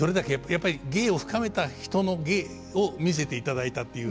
やっぱり芸を深めた人の芸を見せていただいたっていう。